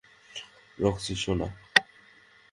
Roxie, সোনা।